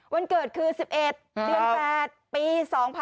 วันเกิดคือ๑๑เดือน๘ปี๒๕๖๒